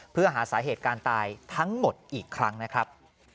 เพื่อหาสาเหตุการตายทั้งหมดอีกครั้งนะครับ